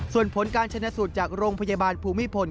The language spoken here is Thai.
ส่วนผลการชนะสูตรจากโรงพยาบาลภูมิพล